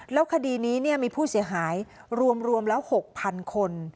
แล้วคดีนี้มีผู้เสียหายรวมแล้ว๖๐๐๐คน